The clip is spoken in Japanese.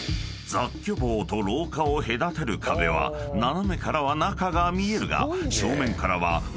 雑居房と廊下を隔てる壁は斜めからは中が見えるが］